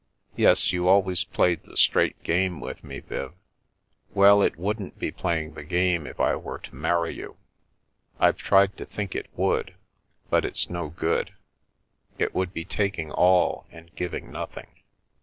" Yes, you've always played the straight game with me, Viv." " Well, it wouldn't be playing the game if I were to marry you. I've tried to think it would, but it's no good. It would be taking all and giving nothing.